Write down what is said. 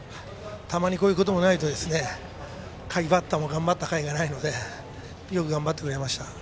たまにこういうこともないと下位バッターも頑張ったかいがないのでよく頑張ってくれました。